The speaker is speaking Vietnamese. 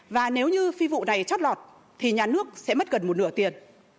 và nếu như phi vụ này chót lọt thì nhà nước sẽ mất gần một nửa tiền